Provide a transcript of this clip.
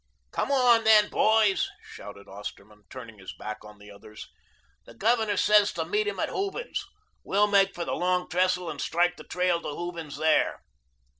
"Come on, then, boys," shouted Osterman, turning his back on the others. "The Governor says to meet him at Hooven's. We'll make for the Long Trestle and strike the trail to Hooven's there."